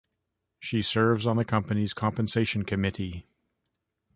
She serves on the company's compensation committee.